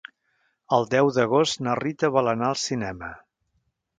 El deu d'agost na Rita vol anar al cinema.